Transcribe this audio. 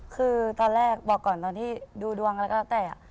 คือตอนแรกบอกก่อนตอนที่ดูดวงอะไรก็แล้วแต่